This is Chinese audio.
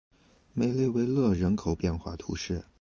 梅雷维勒人口变化图示